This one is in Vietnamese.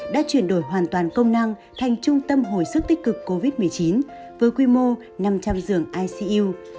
đã chuyển đổi hoàn toàn công năng thành trung tâm hồi sức tích cực covid một mươi chín với quy mô năm trăm linh giường icu